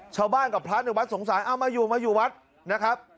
ชาวบ้านกับพระอาจนึกวัสดิ์ศวัดสงสารมาอยู่วัดนะครับ